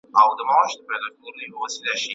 ¬ ولي خو د جنگ نيمى دئ.